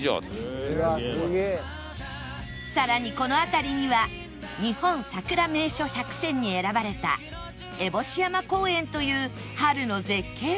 さらにこの辺りには日本さくら名所１００選に選ばれた烏帽子山公園という春の絶景スポットも